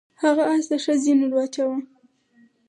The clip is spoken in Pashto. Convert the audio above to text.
هغه اس ته ښه زین ور واچاوه.